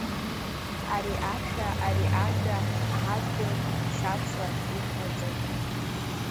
Ари ашәа, ари ажәа, ҳадгьыл шьацла иқәнаҵоит.